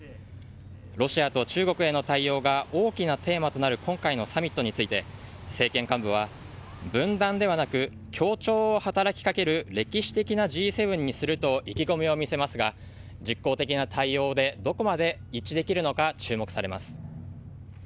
ロシアと中国への対応が大きなテーマとなる今回のサミットについて政権幹部は、分断ではなく協調を働きかける歴史的なＧ７にすると意気込みを見せますが実効的な対応でどこまで一致できるのか注目されます。